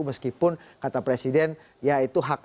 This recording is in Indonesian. meskipun kata presiden yaitu